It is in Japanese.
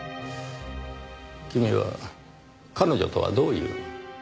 君は彼女とはどういう？